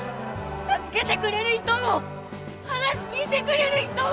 助けてくれる人も話聞いてくれる人も！